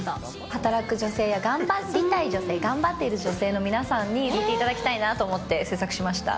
働く女性や頑張りたい女性、頑張っている女性の皆さんに聴いていただきたいなと思って制作しました。